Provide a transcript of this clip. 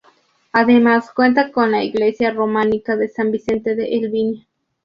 Además cuenta con la iglesia románica de San Vicente de Elviña.